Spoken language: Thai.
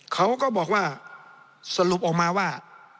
เขาก็บอกว่าสรุปออกมาว่า